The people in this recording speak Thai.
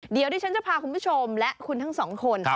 เดี๋ยวดิฉันจะพาคุณผู้ชมและคุณทั้งสองคน